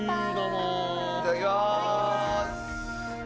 いただきます！